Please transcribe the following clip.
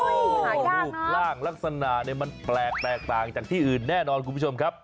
โอ้โหรูปร่างลักษณะเนี่ยมันแปลกแตกต่างจากที่อื่นแน่นอนคุณผู้ชมครับ